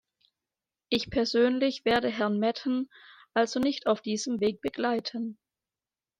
Ich persönlich werde Herrn Metten also nicht auf diesem Weg begleiten.